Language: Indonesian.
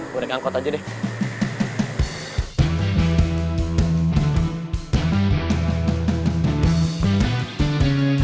gue rengkot aja deh